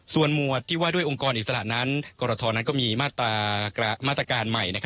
ส่วนหมวดที่ว่าด้วยองค์กรอิสระนั้นกรทนั้นก็มีมาตรการใหม่